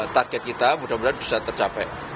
target kita mudah mudahan bisa tercapai